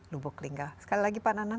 lubuk linggau sekali lagi pak nanan